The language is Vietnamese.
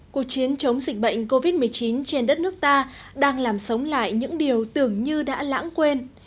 cuộc chiến chống dịch bệnh covid một mươi chín trên đất nước ta đang làm sống lại những điều tưởng như đã lãng quên